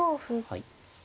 はい。